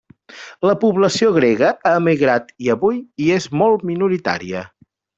La població grega ha emigrat i avui hi és molt minoritària.